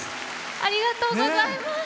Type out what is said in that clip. ありがとうございます。